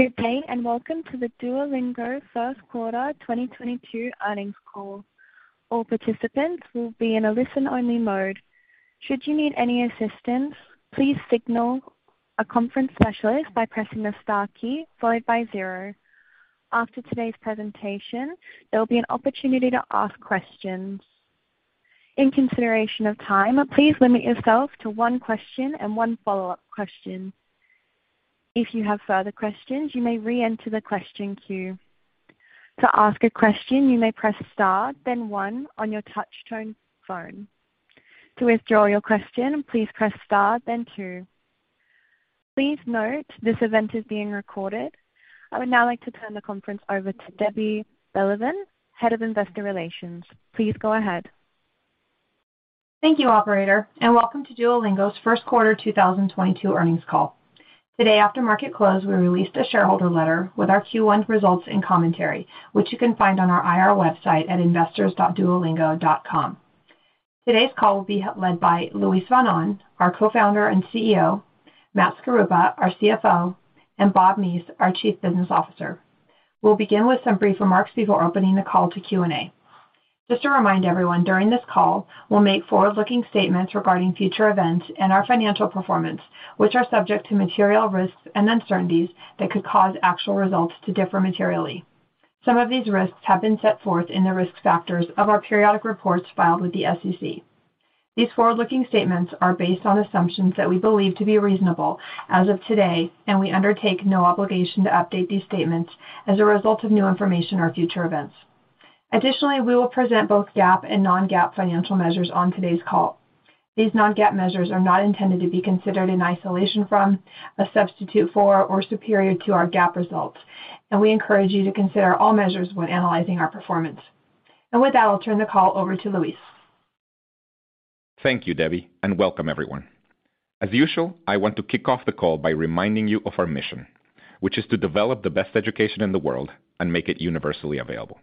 Good day, and welcome to the Duolingo first quarter 2022 earnings call. All participants will be in a listen-only mode. Should you need any assistance, please signal a conference specialist by pressing the star key followed by zero. After today's presentation, there'll be an opportunity to ask questions. In consideration of time, please limit yourself to one question and one follow-up question. If you have further questions, you may re-enter the question queue. To ask a question, you may press star, then one on your touchtone phone. To withdraw your question, please press star, then two. Please note, this event is being recorded. I would now like to turn the conference over to Debbie Belevan, Head of Investor Relations. Please go ahead. Thank you, operator, and welcome to Duolingo's first quarter 2022 earnings call. Today, after market close, we released a shareholder letter with our Q1 results and commentary, which you can find on our IR website at investors.duolingo.com. Today's call will be led by Luis von Ahn, our Co-Founder and CEO, Matt Skaruppa, our CFO, and Bob Meese, our Chief Business Officer. We'll begin with some brief remarks before opening the call to Q&A. Just to remind everyone, during this call, we'll make forward-looking statements regarding future events and our financial performance, which are subject to material risks and uncertainties that could cause actual results to differ materially. Some of these risks have been set forth in the risk factors of our periodic reports filed with the SEC. These forward-looking statements are based on assumptions that we believe to be reasonable as of today, and we undertake no obligation to update these statements as a result of new information or future events. Additionally, we will present both GAAP and non-GAAP financial measures on today's call. These non-GAAP measures are not intended to be considered in isolation or as a substitute for or superior to our GAAP results, and we encourage you to consider all measures when analyzing our performance. With that, I'll turn the call over to Luis. Thank you, Debbie, and welcome everyone. As usual, I want to kick off the call by reminding you of our mission, which is to develop the best education in the world and make it universally available.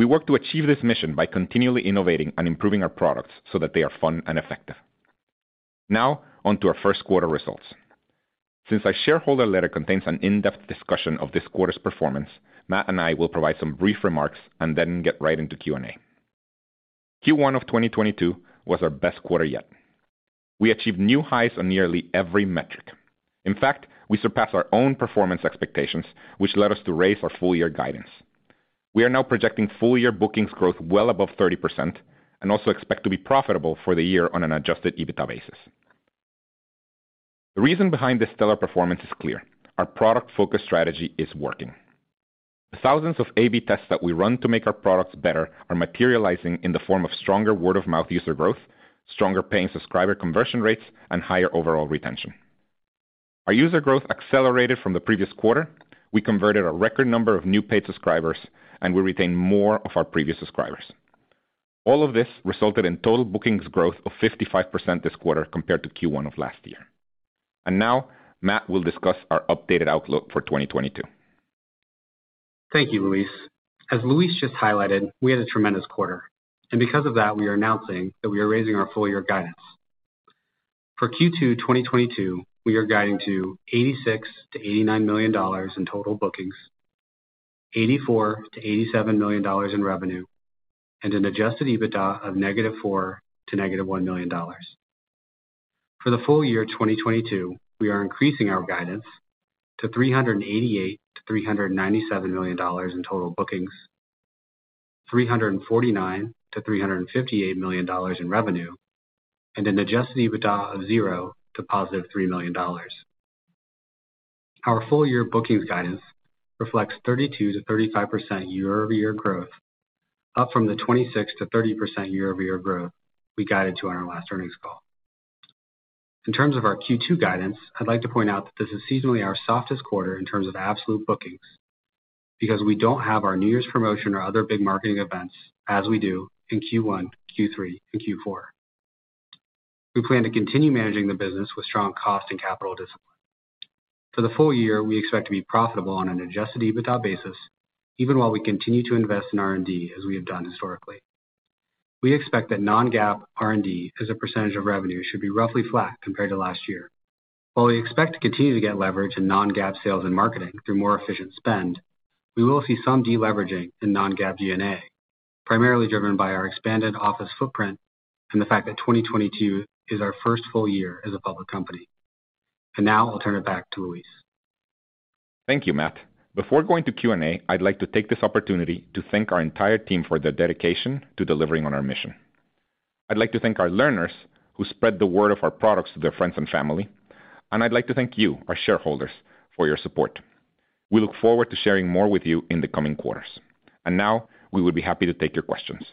We work to achieve this mission by continually innovating and improving our products so that they are fun and effective. Now onto our first quarter results. Since our shareholder letter contains an in-depth discussion of this quarter's performance, Matt and I will provide some brief remarks and then get right into Q&A. Q1 2022 was our best quarter yet. We achieved new highs on nearly every metric. In fact, we surpassed our own performance expectations, which led us to raise our full year guidance. We are now projecting full year bookings growth well above 30% and also expect to be profitable for the year on an adjusted EBITDA basis. The reason behind this stellar performance is clear: our product-focused strategy is working. The thousands of A/B tests that we run to make our products better are materializing in the form of stronger word-of-mouth user growth, stronger paying subscriber conversion rates, and higher overall retention. Our user growth accelerated from the previous quarter. We converted a record number of new paid subscribers, and we retained more of our previous subscribers. All of this resulted in total bookings growth of 55% this quarter compared to Q1 of last year. Now Matt will discuss our updated outlook for 2022. Thank you, Luis. As Luis just highlighted, we had a tremendous quarter. Because of that, we are announcing that we are raising our full year guidance. For Q2 2022, we are guiding to $86 million-$89 million in total bookings, $84 million-$87 million in revenue, and an adjusted EBITDA of -$4 million to -$1 million. For the full year 2022, we are increasing our guidance to $388 million-$397 million in total bookings, $349 million-$358 million in revenue, and an adjusted EBITDA of 0 to +$3 million. Our full year bookings guidance reflects 32%-35% year-over-year growth, up from the 26%-30% year-over-year growth we guided to on our last earnings call. In terms of our Q2 guidance, I'd like to point out that this is seasonally our softest quarter in terms of absolute bookings because we don't have our New Year's promotion or other big marketing events as we do in Q1, Q3, and Q4. We plan to continue managing the business with strong cost and capital discipline. For the full year, we expect to be profitable on an adjusted EBITDA basis, even while we continue to invest in R&D as we have done historically. We expect that non-GAAP R&D as a percentage of revenue should be roughly flat compared to last year. While we expect to continue to get leverage in non-GAAP sales and marketing through more efficient spend, we will see some deleveraging in non-GAAP G&A, primarily driven by our expanded office footprint and the fact that 2022 is our first full year as a public company. Now I'll turn it back to Luis. Thank you, Matt. Before going to Q&A, I'd like to take this opportunity to thank our entire team for their dedication to delivering on our mission. I'd like to thank our learners who spread the word of our products to their friends and family, and I'd like to thank you, our shareholders, for your support. We look forward to sharing more with you in the coming quarters. Now we would be happy to take your questions.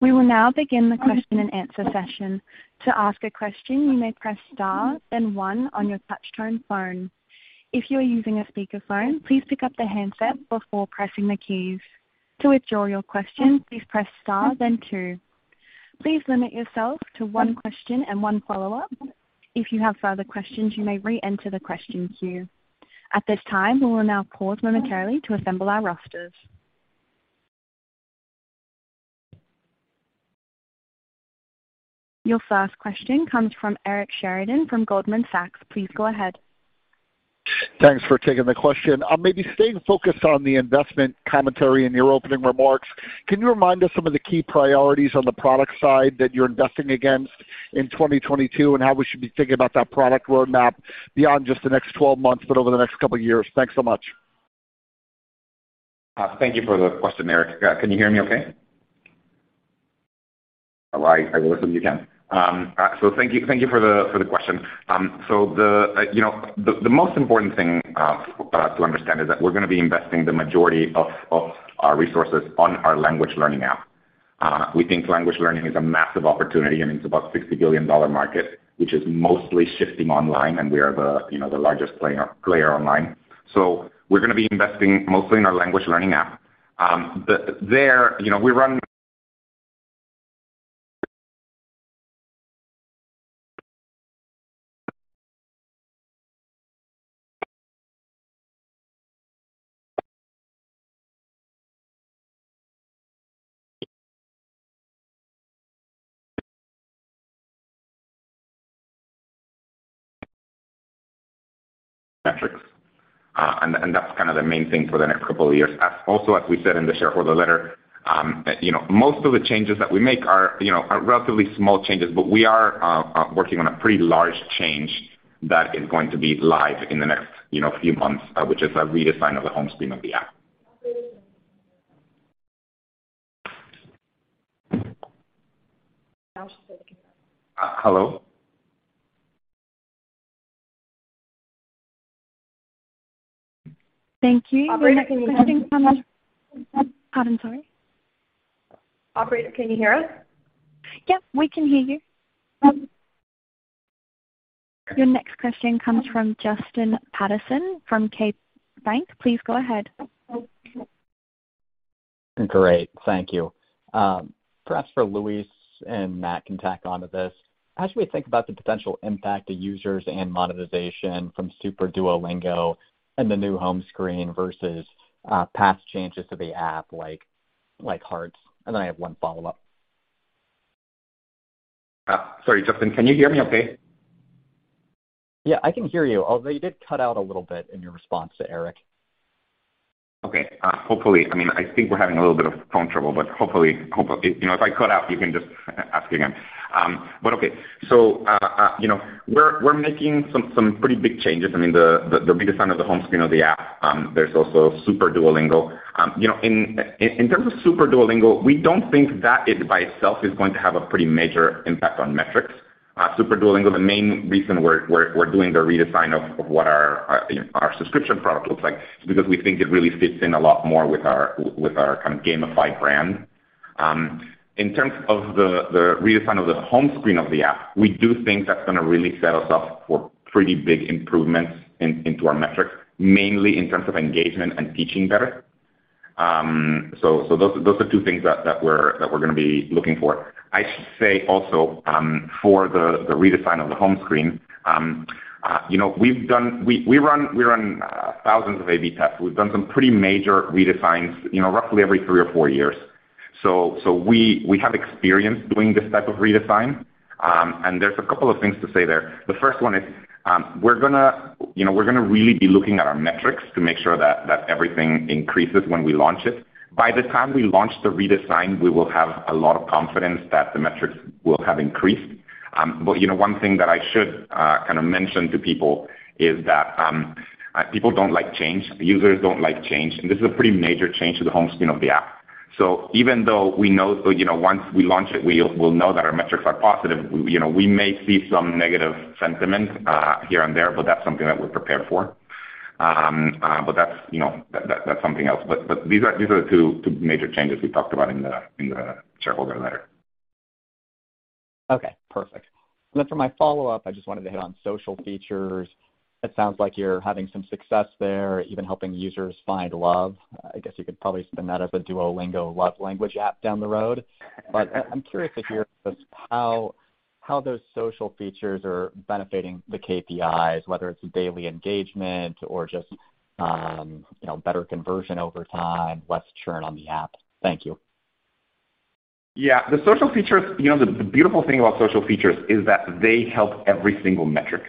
We will now begin the question and answer session. To ask a question, you may press star then one on your touchtone phone. If you are using a speaker phone, please pick up the handset before pressing the keys. To withdraw your question, please press star then two. Please limit yourself to one question and one follow-up. If you have further questions, you may re-enter the question queue. At this time, we will now pause momentarily to assemble our rosters. Your first question comes from Eric Sheridan from Goldman Sachs. Please go ahead. Thanks for taking the question. Maybe staying focused on the investment commentary in your opening remarks, can you remind us some of the key priorities on the product side that you're investing against in 2022 and how we should be thinking about that product roadmap beyond just the next 12 months but over the next couple of years? Thanks so much. Thank you for the question, Eric. Can you hear me okay? All right. I will assume you can. Thank you for the question. The most important thing to understand is that we're gonna be investing the majority of our resources on our language learning app. We think language learning is a massive opportunity, I mean, it's about $60 billion market, which is mostly shifting online, and we are the largest player online. We're gonna be investing mostly in our language learning app. There, you know, we run metrics. That's kind of the main thing for the next couple of years. Also, as we said in the shareholder letter, you know, most of the changes that we make are, you know, relatively small changes, but we are working on a pretty large change that is going to be live in the next, you know, few months, which is a redesign of the home screen of the app. Hello? Thank you. Operator, can you hear us? Pardon. Sorry. Operator, can you hear us? Yep, we can hear you. Your next question comes from Justin Patterson from KeyBanc. Please go ahead. Great. Thank you. Perhaps for Luis and Matt can tack on to this. As we think about the potential impact to users and monetization from Super Duolingo and the new home screen versus past changes to the app like Hearts, and then I have one follow-up. Sorry, Justin, can you hear me okay? Yeah, I can hear you, although you did cut out a little bit in your response to Eric. Okay. Hopefully, I mean, I think we're having a little bit of phone trouble, but hopefully you know, if I cut out, you can just ask again. Okay. You know, we're making some pretty big changes. I mean, the redesign of the home screen of the app, there's also Super Duolingo. You know, in terms of Super Duolingo, we don't think that it by itself is going to have a pretty major impact on metrics. Super Duolingo, the main reason we're doing the redesign of what our you know our subscription product looks like, is because we think it really fits in a lot more with our kind of gamified brand. In terms of the redesign of the home screen of the app, we do think that's gonna really set us up for pretty big improvements in our metrics, mainly in terms of engagement and teaching better. Those are two things that we're gonna be looking for. I should say also, for the redesign of the home screen, you know, we run thousands of A/B tests. We've done some pretty major redesigns, you know, roughly every three or four years. We have experience doing this type of redesign. There's a couple of things to say there. The first one is, we're gonna, you know, we're gonna really be looking at our metrics to make sure that everything increases when we launch it. By the time we launch the redesign, we will have a lot of confidence that the metrics will have increased. You know, one thing that I should kind of mention to people is that people don't like change, users don't like change, and this is a pretty major change to the home screen of the app. Even though we know, you know, once we launch it, we'll know that our metrics are positive, you know, we may see some negative sentiment here and there, but that's something that we're prepared for. That's, you know, that's something else. These are the two major changes we talked about in the shareholder letter. Okay, perfect. For my follow-up, I just wanted to hit on social features. It sounds like you're having some success there, even helping users find love. I guess you could probably spin that as a Duolingo love language app down the road. But I'm curious if you could tell us how those social features are benefiting the KPIs, whether it's daily engagement or just, you know, better conversion over time, less churn on the app? Thank you. Yeah. The social features, you know, the beautiful thing about social features is that they help every single metric.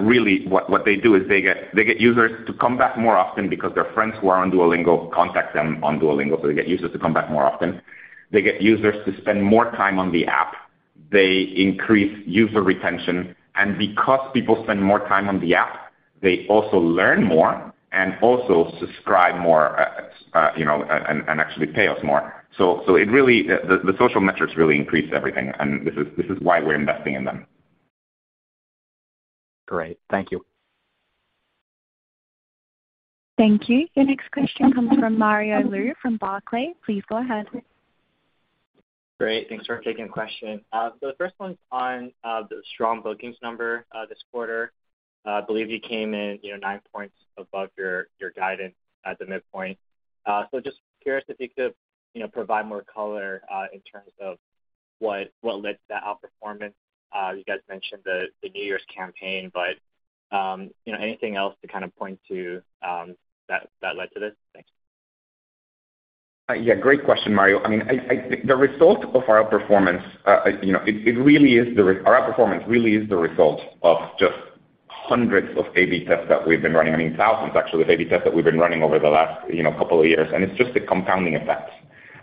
Really what they do is they get users to come back more often because their friends who are on Duolingo contact them on Duolingo, so they get users to come back more often. They get users to spend more time on the app. They increase user retention. And because people spend more time on the app, they also learn more and also subscribe more, you know, and actually pay us more. The social metrics really increase everything, and this is why we're investing in them. Great. Thank you. Thank you. Your next question comes from Mario Lu from Barclays. Please go ahead. Great. Thanks for taking the question. The first one's on the strong bookings number this quarter. I believe you came in, you know, 9 points above your guidance at the midpoint. Just curious if you could, you know, provide more color in terms of what led to that outperformance? You guys mentioned the New Year's campaign, but you know, anything else to kind of point to that led to this? Thanks. Yeah, great question, Mario. Our outperformance really is the result of just hundreds of A/B tests that we've been running. I mean, thousands actually of A/B tests that we've been running over the last, you know, couple of years, and it's just a compounding effect.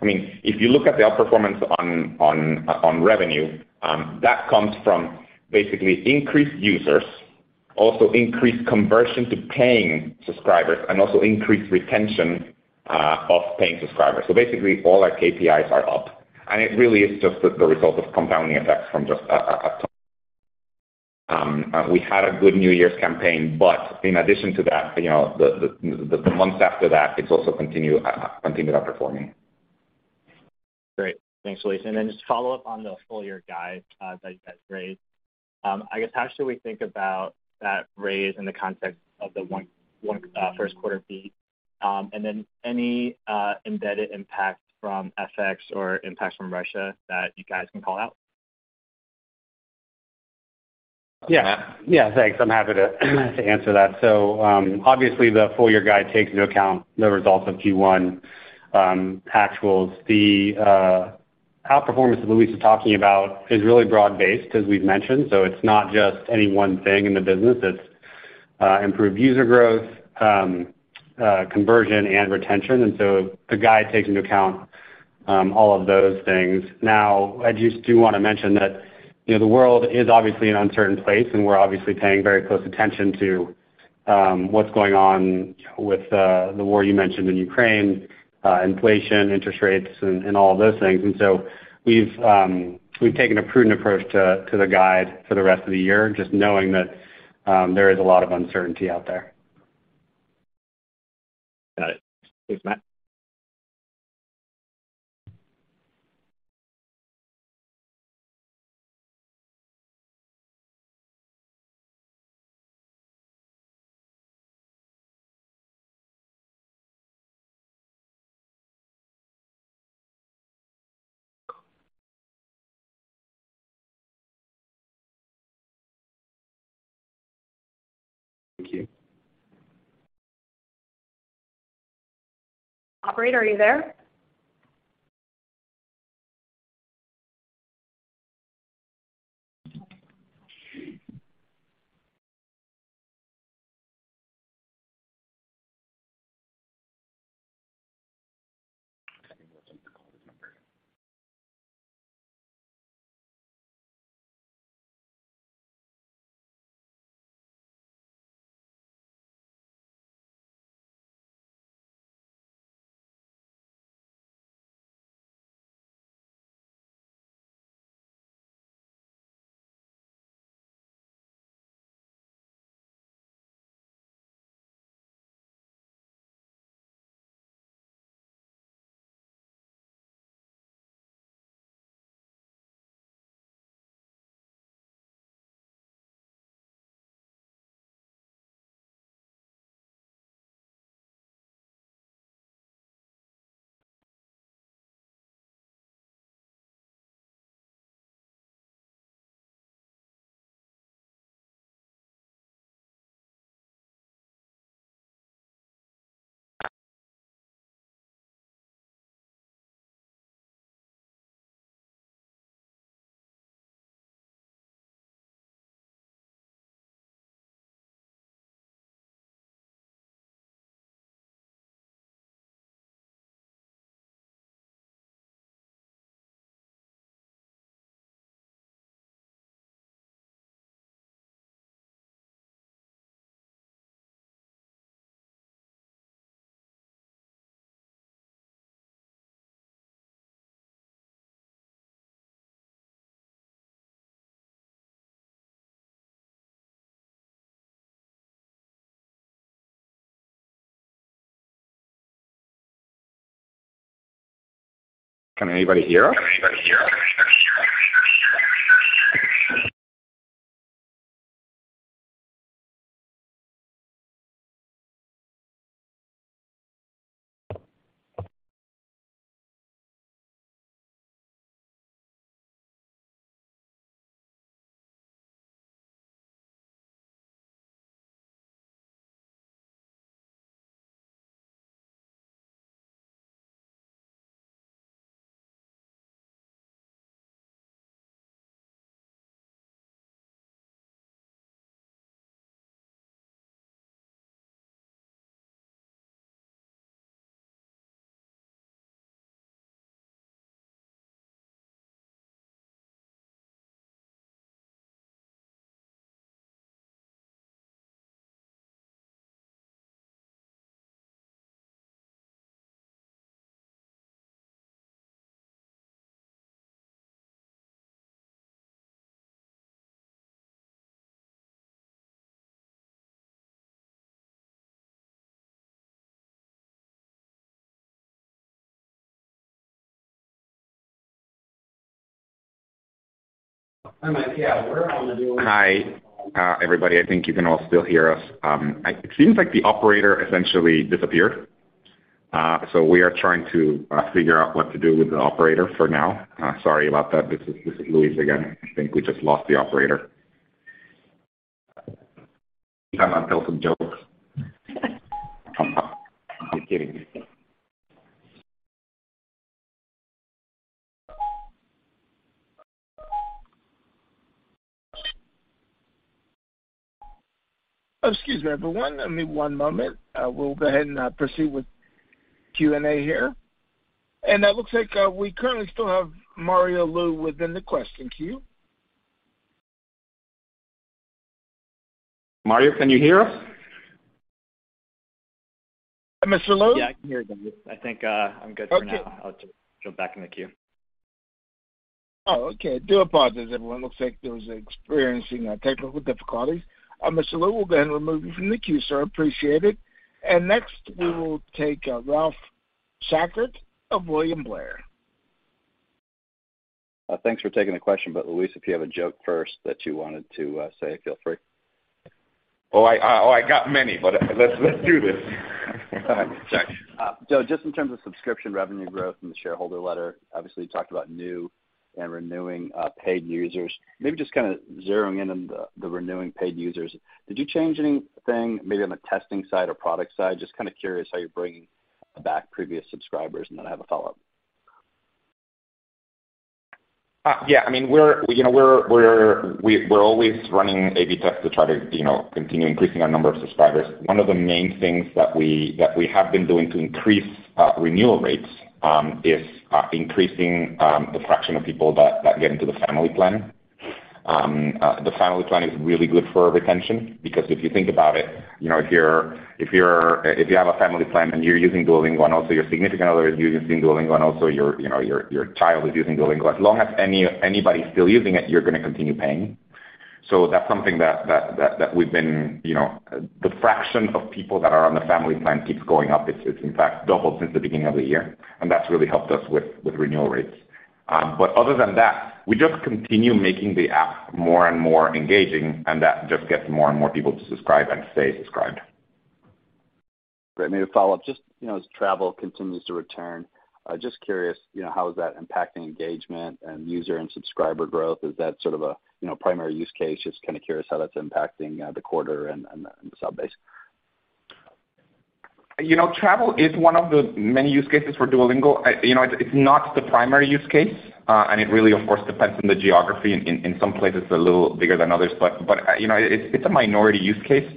I mean, if you look at the outperformance on revenue, that comes from basically increased users, also increased conversion to paying subscribers, and also increased retention of paying subscribers. Basically all our KPIs are up, and it really is just the result of compounding effects from just a ton. We had a good New Year's campaign, but in addition to that, you know, the months after that, it's also continued outperforming. Great. Thanks, Luis. Just follow up on the full year guide that you guys raised. I guess how should we think about that raise in the context of the Q1 first quarter beat? Any embedded impact from FX or impact from Russia that you guys can call out? Yeah. Yeah, thanks. I'm happy to answer that. Obviously the full year guide takes into account the results of Q1 actuals. The outperformance that Luis is talking about is really broad-based, as we've mentioned. It's not just any one thing in the business. It's improved user growth, conversion and retention. The guide takes into account all of those things. Now, I just do wanna mention that, you know, the world is obviously an uncertain place, and we're obviously paying very close attention to what's going on with the war you mentioned in Ukraine, inflation, interest rates and all of those things. We've taken a prudent approach to the guide for the rest of the year, just knowing that there is a lot of uncertainty out there. Got it. Thanks, Matt. Thank you. Operator, are you there? Can anybody hear us? Hi, everybody. I think you can all still hear us. It seems like the operator essentially disappeared. We are trying to figure out what to do with the operator for now. Sorry about that. This is Luis again. I think we just lost the operator. Tell some jokes. I'm kidding. Excuse me, everyone. Give me one moment. We'll go ahead and proceed with Q&A here. It looks like we currently still have Mario Lu within the question queue. Mario, can you hear us? Mr. Lu? Yeah, I can hear you guys. I think, I'm good for now. Okay. I'll just jump back in the queue. Oh, okay. I do apologize, everyone. Looks like Luis is experiencing technical difficulties. Mr. Lu, we'll then remove you from the queue, sir. Appreciate it. Next, we will take Ralph Schackart of William Blair. Thanks for taking the question, but Luis, if you have a joke first that you wanted to say, feel free. Oh, I got many, but let's do this. Got it. Thanks. Just in terms of subscription revenue growth in the shareholder letter, obviously you talked about new and renewing paid users. Maybe just kinda zeroing in on the renewing paid users. Did you change anything maybe on the testing side or product side? Just kinda curious how you're bringing back previous subscribers? Then I have a follow-up. Yeah. I mean, we're, you know, always running A/B tests to try to, you know, continue increasing our number of subscribers. One of the main things that we have been doing to increase renewal rates is increasing the fraction of people that get into the Family Plan. The Family Plan is really good for retention because if you think about it, you know, if you have a Family Plan and you're using Duolingo, and also your significant other is using Duolingo, and also your, you know, your child is using Duolingo, as long as anybody's still using it, you're gonna continue paying. That's something that we've been, you know. The fraction of people that are on the Family Plan keeps going up. It's in fact doubled since the beginning of the year, and that's really helped us with renewal rates. Other than that, we just continue making the app more and more engaging, and that just gets more and more people to subscribe and stay subscribed. Great. Maybe a follow-up. Just, you know, as travel continues to return, just curious, you know, how is that impacting engagement and user and subscriber growth? Is that sort of a, you know, primary use case? Just kinda curious how that's impacting, the quarter and the sub base? You know, travel is one of the many use cases for Duolingo. You know, it's not the primary use case, and it really, of course, depends on the geography. In some places a little bigger than others. You know, it's a minority use case.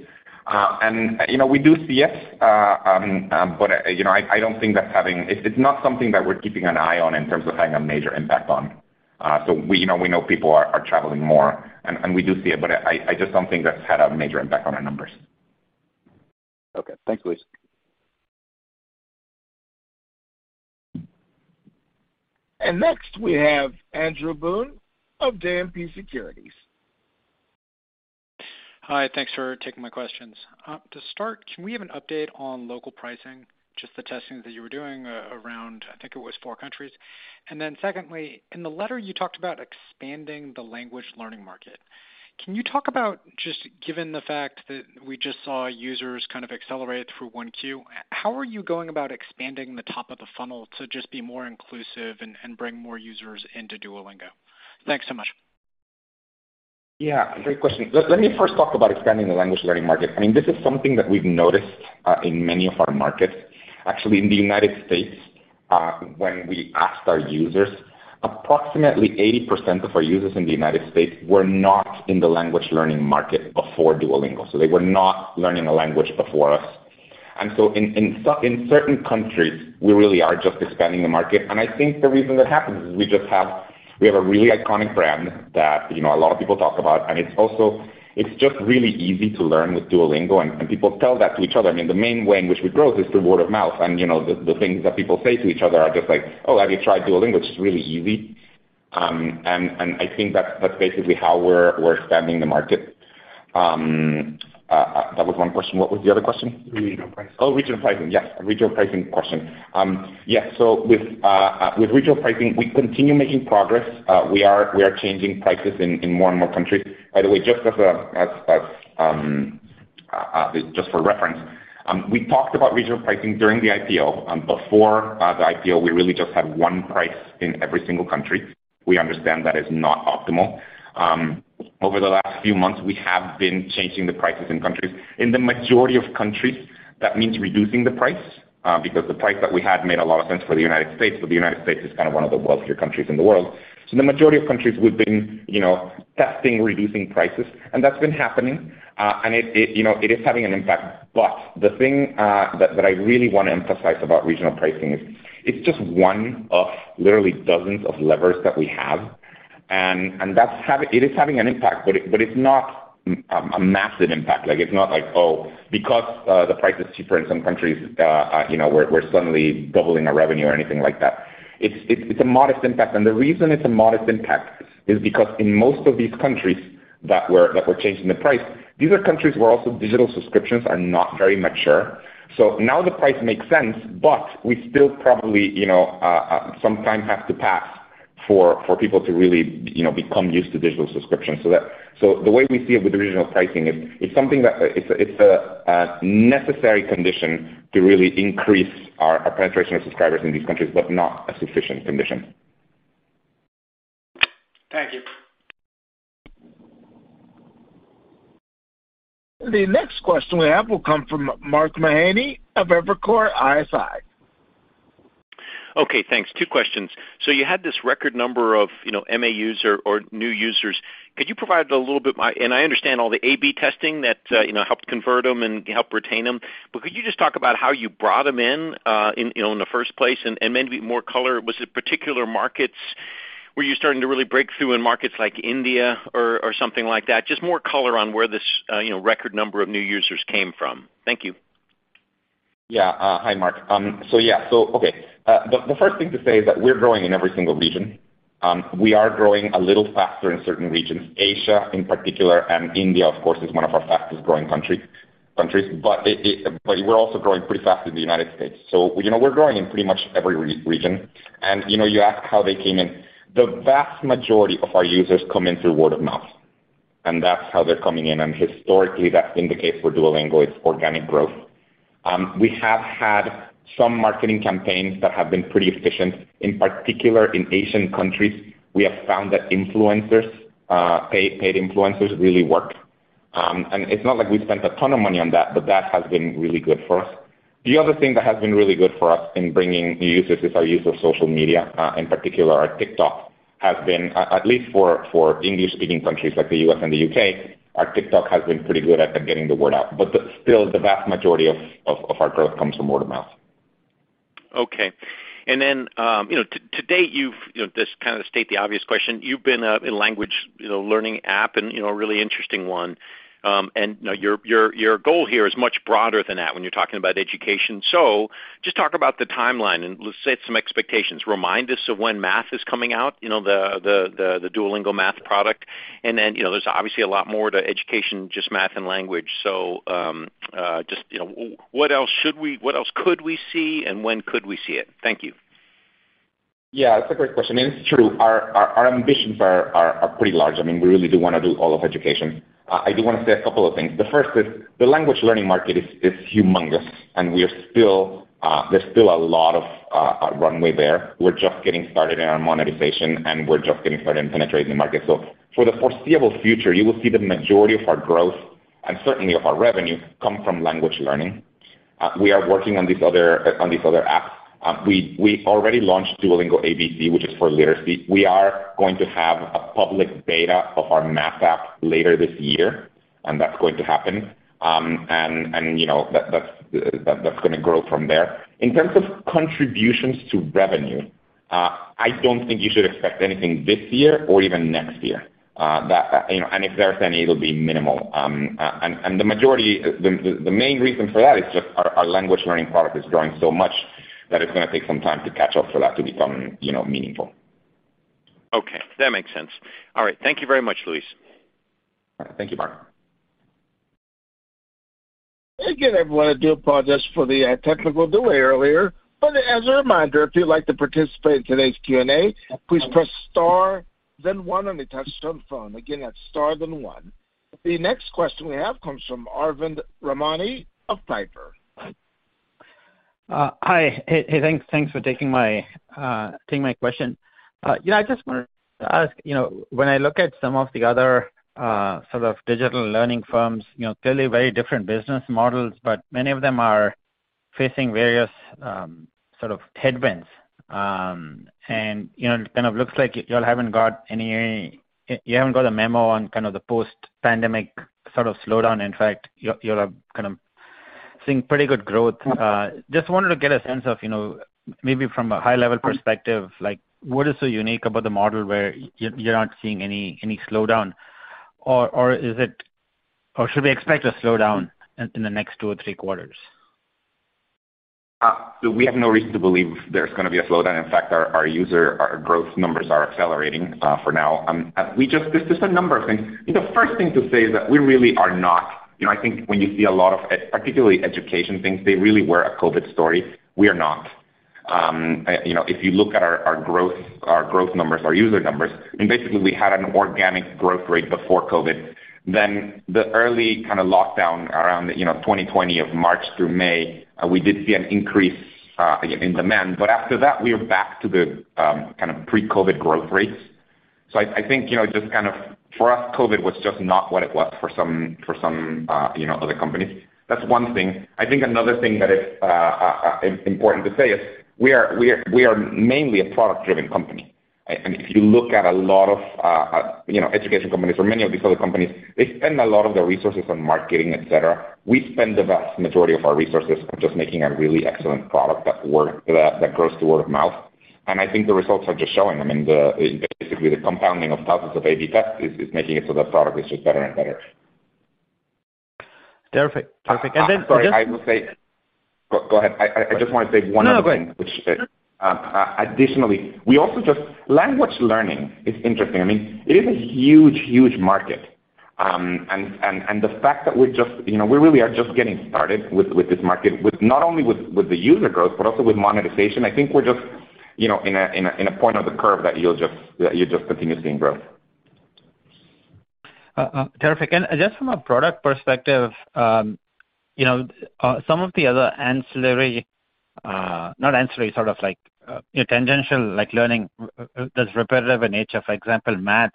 You know, we do see it. You know, it's not something that we're keeping an eye on in terms of having a major impact on. You know, we know people are traveling more and we do see it, but I just don't think that's had a major impact on our numbers. Okay. Thanks, Luis. Next we have Andrew Boone of JMP Securities. Hi. Thanks for taking my questions. To start, can we have an update on local pricing? Just the testing that you were doing around, I think it was four countries. Secondly, in the letter you talked about expanding the language learning market. Can you talk about just given the fact that we just saw users kind of accelerate through one Q, how are you going about expanding the top of the funnel to just be more inclusive and bring more users into Duolingo? Thanks so much. Yeah, great question. Let me first talk about expanding the language learning market. I mean, this is something that we've noticed in many of our markets. Actually, in the United States, when we asked our users, approximately 80% of our users in the United States were not in the language learning market before Duolingo. They were not learning a language before us. In certain countries, we really are just expanding the market. I think the reason that happens is we have a really iconic brand that, you know, a lot of people talk about, and it's also, it's just really easy to learn with Duolingo, and people tell that to each other. I mean, the main way in which we grow is through word of mouth. You know, the things that people say to each other are just like, "Oh, have you tried Duolingo? It's really easy." I think that's basically how we're expanding the market. That was one question. What was the other question? Regional pricing. Oh, regional pricing. Yes. Regional pricing question. Yes. With regional pricing, we continue making progress. We are changing prices in more and more countries. By the way, just for reference, we talked about regional pricing during the IPO. Before the IPO, we really just had one price in every single country. We understand that is not optimal. Over the last few months, we have been changing the prices in countries. In the majority of countries, that means reducing the price, because the price that we had made a lot of sense for the United States, but the United States is kind of one of the wealthier countries in the world. In the majority of countries, we've been, you know, testing reducing prices, and that's been happening. It, you know, is having an impact. The thing that I really wanna emphasize about regional pricing is it's just one of literally dozens of levers that we have. It is having an impact, but it's not a massive impact. Like, it's not like, oh, because the price is cheaper in some countries, you know, we're suddenly doubling our revenue or anything like that. It's a modest impact. The reason it's a modest impact is because in most of these countries that we're changing the price, these are countries where also digital subscriptions are not very mature. Now the price makes sense, but we still probably, you know, some time has to pass for people to really, you know, become used to digital subscription. The way we see it with the regional pricing is it's something that it's a necessary condition to really increase our penetration of subscribers in these countries, but not a sufficient condition. Thank you. The next question we have will come from Mark Mahaney of Evercore ISI. Okay, thanks. Two questions. You had this record number of, you know, MAUs or new users. Could you provide a little bit more? I understand all the A/B testing that, you know, helped convert them and help retain them, but could you just talk about how you brought them in, you know, in the first place and maybe more color, was it particular markets? Were you starting to really break through in markets like India or something like that? Just more color on where this, you know, record number of new users came from. Thank you. Yeah. Hi, Mark. Yeah. Okay. The first thing to say is that we're growing in every single region. We are growing a little faster in certain regions. Asia in particular, and India, of course, is one of our fastest-growing countries. But we're also growing pretty fast in the United States. You know, we're growing in pretty much every region. You know, you ask how they came in. The vast majority of our users come in through word of mouth, and that's how they're coming in. Historically, that's been the case for Duolingo. It's organic growth. We have had some marketing campaigns that have been pretty efficient. In particular, in Asian countries, we have found that influencers, paid influencers really work. It's not like we've spent a ton of money on that, but that has been really good for us. The other thing that has been really good for us in bringing new users is our use of social media. In particular, our TikTok has been at least for English-speaking countries like the U.S. and the U.K., our TikTok has been pretty good at getting the word out. Still, the vast majority of our growth comes from word of mouth. Okay. You know, to date, you've, you know, just kinda state the obvious question, you've been a language, you know, learning app and, you know, a really interesting one. You know, your goal here is much broader than that when you're talking about education. Just talk about the timeline and let's set some expectations. Remind us of when math is coming out, you know, the Duolingo math product. You know, there's obviously a lot more to education, just math and language. Just, you know, what else could we see, and when could we see it? Thank you. Yeah, that's a great question, and it's true. Our ambitions are pretty large. I mean, we really do wanna do all of education. I do wanna say a couple of things. The first is the language learning market is humongous, and we are still, there's still a lot of runway there. We're just getting started in our monetization, and we're just getting started in penetrating the market. For the foreseeable future, you will see the majority of our growth, and certainly of our revenue, come from language learning. We are working on these other apps. We already launched Duolingo ABC, which is for literacy. We are going to have a public beta of our math app later this year, and that's going to happen. You know, that's gonna grow from there. In terms of contributions to revenue, I don't think you should expect anything this year or even next year. You know, if there's any, it'll be minimal. The main reason for that is just our language learning product is growing so much that it's gonna take some time to catch up for that to become, you know, meaningful. Okay, that makes sense. All right. Thank you very much, Luis. Thank you, Mark. Again, everyone, I do apologize for the technical delay earlier. As a reminder, if you'd like to participate in today's Q&A, please press star then one on your touchtone phone. Again, that's star then one. The next question we have comes from Arvind Ramnani of Piper. Hi. Hey, thanks for taking my question. Yeah, I just wanted to ask, you know, when I look at some of the other sort of digital learning firms, you know, clearly very different business models, but many of them are facing various sort of headwinds. You know, it kind of looks like y'all haven't got any. You haven't got a memo on kind of the post-pandemic sort of slowdown. In fact, you're kind of seeing pretty good growth. Just wanted to get a sense of, you know, maybe from a high-level perspective, like, what is so unique about the model where you're not seeing any slowdown? Or should we expect a slowdown in the next two or three quarters? We have no reason to believe there's gonna be a slowdown. In fact, our user growth numbers are accelerating for now. There's just a number of things. The first thing to say is that we really are not. You know, I think when you see a lot of particularly education things, they really were a COVID story. We are not. You know, if you look at our growth numbers, our user numbers, I mean, basically we had an organic growth rate before COVID. Then the early kind of lockdown around, you know, 2020 of March through May, we did see an increase again in demand. After that, we are back to the kind of pre-COVID growth rates. I think, you know, just kind of, for us, COVID was just not what it was for some other companies. That's one thing. I think another thing that is important to say is we are mainly a product-driven company. If you look at a lot of, you know, education companies or many of these other companies, they spend a lot of their resources on marketing, et cetera. We spend the vast majority of our resources on just making a really excellent product that works through word of mouth. I think the results are just showing. I mean, basically, the compounding of thousands of A/B tests is making it so the product is just better and better. Perfect. Go ahead. I just wanna say one other thing. No, go ahead. Language learning is interesting. I mean, it is a huge market, and the fact that we're just, you know, we really are just getting started with this market, with not only the user growth, but also with monetization. I think we're just, you know, in a point of the curve that you just continue seeing growth. Terrific. Just from a product perspective, you know, some of the other sort of like tangential like learning that's repetitive in nature, for example, math,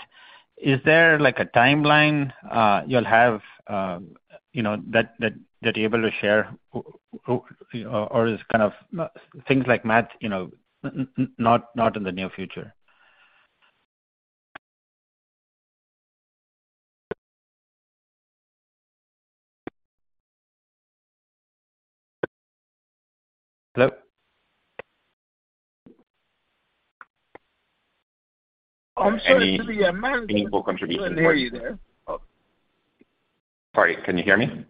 is there like a timeline you'll have, you know, that you're able to share with or is kind of things like math, you know, not in the near future? Hello? I'm sorry, Arvind. I couldn't hear you there. Sorry. Can you hear me?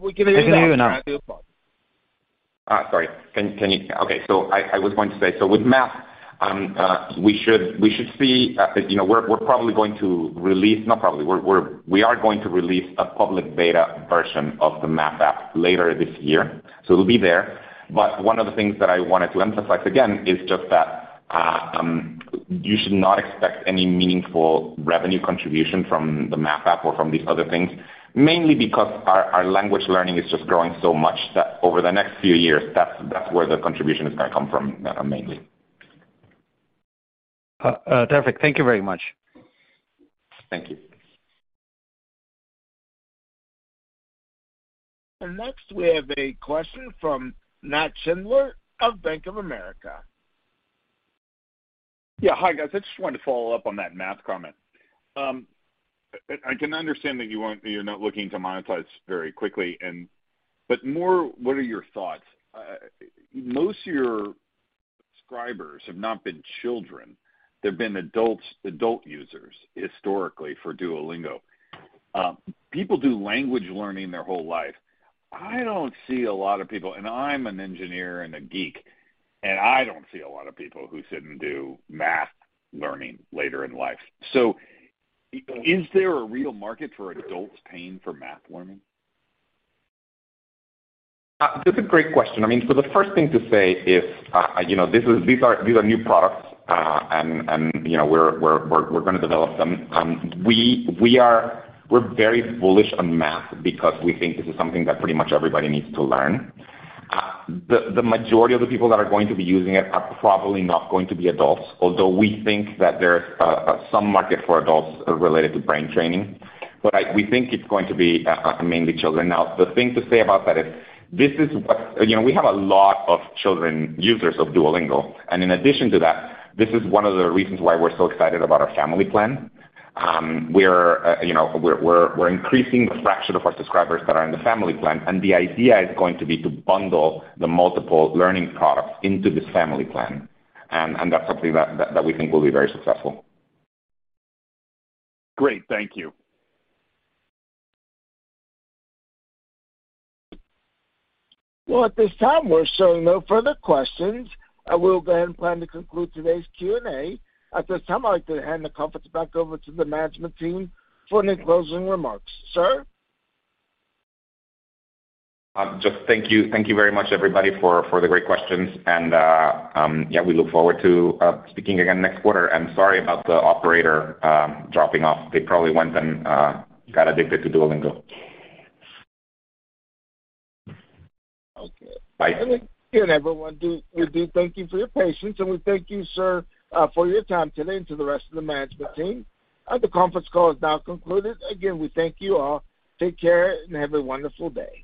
We can hear you now. We can hear you now. I was going to say with math, we should see, you know, we are going to release a public beta version of the Math app later this year, so it'll be there. One of the things that I wanted to emphasize again is just that, you should not expect any meaningful revenue contribution from the Math app or from these other things, mainly because our language learning is just growing so much that over the next few years, that's where the contribution is gonna come from, mainly. Terrific. Thank you very much. Thank you. Next, we have a question from Nat Schindler of Bank of America. Yeah. Hi, guys. I just wanted to follow up on that math comment. I can understand that you're not looking to monetize very quickly, but more, what are your thoughts? Most of your subscribers have not been children. They've been adults, adult users historically for Duolingo. People do language learning their whole life. I don't see a lot of people, and I'm an engineer and a geek, and I don't see a lot of people who sit and do math learning later in life. Is there a real market for adults paying for math learning? That's a great question. I mean, so the first thing to say is, you know, these are new products. You know, we're gonna develop them. We're very bullish on math because we think this is something that pretty much everybody needs to learn. The majority of the people that are going to be using it are probably not going to be adults, although we think that there's some market for adults related to brain training. We think it's going to be mainly children. Now, the thing to say about that is you know, we have a lot of children users of Duolingo, and in addition to that, this is one of the reasons why we're so excited about our Family Plan. You know, we're increasing the fraction of our subscribers that are in the Family Plan, and the idea is going to be to bundle the multiple learning products into this Family Plan. That's something that we think will be very successful. Great. Thank you. Well, at this time we're showing no further questions. I will then plan to conclude today's Q&A. At this time, I'd like to hand the conference back over to the management team for any closing remarks. Sir? Just thank you. Thank you very much, everybody, for the great questions and, yeah, we look forward to speaking again next quarter. Sorry about the operator dropping off. They probably went and got addicted to Duolingo. Okay. Bye. Thank you, everyone. We do thank you for your patience, and we thank you, sir, for your time today and to the rest of the management team. The conference call is now concluded. Again, we thank you all. Take care and have a wonderful day.